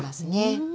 うん。